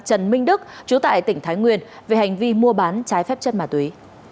trần minh đức chú tại tỉnh thái nguyên về hành vi mua bán trái phép chất ma túy